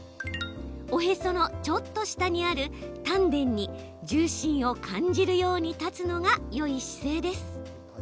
おへそのちょっと下にある丹田に重心を感じるように立つのがよい姿勢です。